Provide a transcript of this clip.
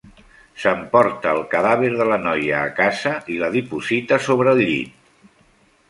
S’emporta el cadàver de la noia a casa i la diposita sobre el llit.